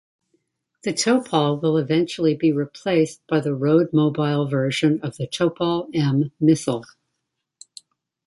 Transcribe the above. The Topol will eventually be replaced by the road-mobile version of the Topol-M missile.